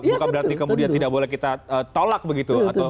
bukan berarti kemudian tidak boleh kita tolak begitu